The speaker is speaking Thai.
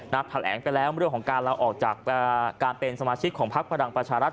แถลงไปแล้วเรื่องของการลาออกจากการเป็นสมาชิกของพักพลังประชารัฐ